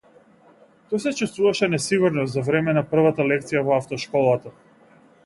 Тој се чувствуваше несигурно за време на првата лекција во автошколата.